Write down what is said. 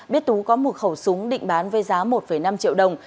biết tú có một khẩu súng định bán với giá một năm triệu đồng